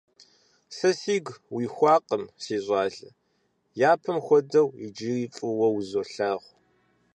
Сэ си гум уихуакъым, си щӀалэ, япэм хуэдэу, иджыри фӀыуэ узолъагъу.